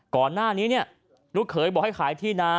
ก่อนหน้านี้เนี่ยลูกเขยบอกให้ขายที่นา